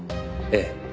ええ。